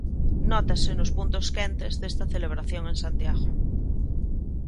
Nótase nos puntos quentes desta celebración en Santiago.